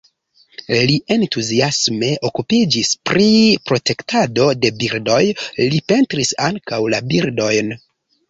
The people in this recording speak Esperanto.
Li entuziasme okupiĝis pri protektado de birdoj, li pentris ankaŭ la birdojn.